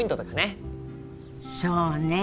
そうね。